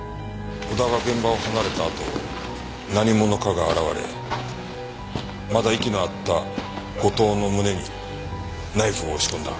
織田が現場を離れたあと何者かが現れまだ息のあった後藤の胸にナイフを押し込んだ。